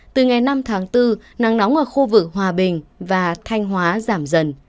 từ ngày năm tháng bốn nắng nóng ở khu vực hòa bình và thanh hóa giảm dần